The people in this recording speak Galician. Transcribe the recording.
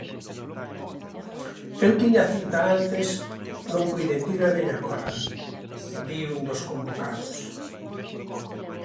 Eu tiña cita antes, non puiden vir e veño agora, di un dos convocados.